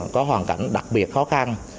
có hoàn cảnh đặc biệt khó khăn